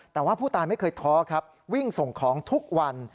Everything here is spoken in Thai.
แต่ว่าผู้ตายไม่เคยท้อครับวิ่งส่งของทุกวัน